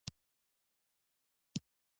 نو وکولای شي د اړتیا پر مهال ترې ګټه واخلي